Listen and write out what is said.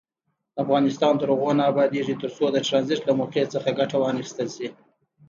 افغانستان تر هغو نه ابادیږي، ترڅو د ټرانزیټ له موقع څخه ګټه وانخیستل شي.